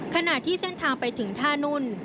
ขณะที่เส้นทางไปถึงท่านุ่น